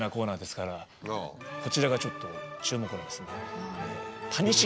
こちらがちょっと注目のですねタニシ？